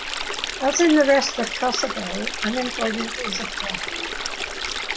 As in the rest of Kosovo, unemployment is a problem.